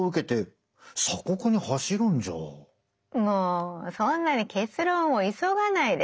もうそんなに結論を急がないで。